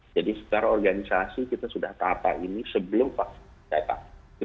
jadi secara organisasi kita sudah tata ini sebelum vaksinasi